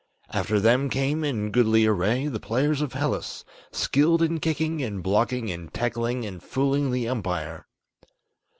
After them came, in goodly array, the players of Hellas, Skilled in kicking and blocking and tackling and fooling the umpire.